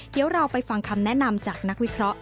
เดี๋ยวเราไปฟังคำแนะนำจากนักวิเคราะห